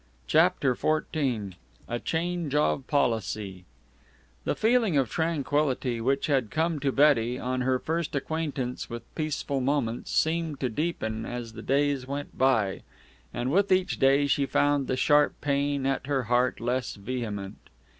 CHAPTER XIV A CHANGE OF POLICY The feeling of tranquillity which had come to Betty on her first acquaintance with Peaceful Moments seemed to deepen as the days went by, and with each day she found the sharp pain at her heart less vehement.